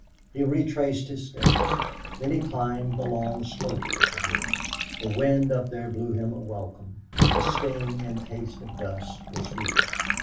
He retraced his steps. Then he climbed the long slope of the hill. The wind up there blew him a welcome, and the sting and taste of dust were sweet.